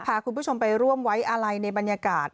พาคุณผู้ชมไปร่วมไว้อาลัยในบรรยากาศ